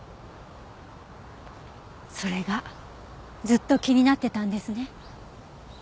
それがずっと気になってたんですね？